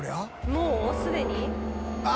もうすでに？あ！